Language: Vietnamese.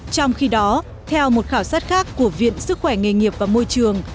trong khi đó theo một khảo sát khác của viện sức khỏe nghề nghiệp và môi trường